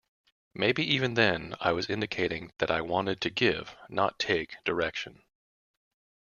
Maybe even then I was indicating that I wanted to give, not take, direction.